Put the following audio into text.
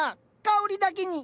香りだけに！